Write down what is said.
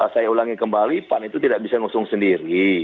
saya ulangi kembali pan itu tidak bisa ngusung sendiri